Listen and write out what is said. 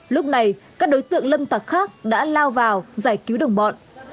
lúc này các đối tượng lâm tặc khác đã lao vào giải cứu đồng bọn